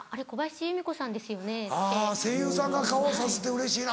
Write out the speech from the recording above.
声優さんが顔をさすってうれしいな。